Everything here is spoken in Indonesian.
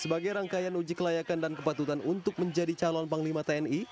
sebagai rangkaian uji kelayakan dan kepatutan untuk menjadi calon panglima tni